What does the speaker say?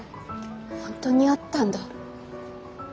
本当にあったんだ。